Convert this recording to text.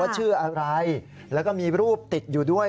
ชื่ออะไรแล้วก็มีรูปติดอยู่ด้วย